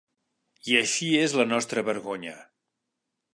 I així es la nostra vergonya.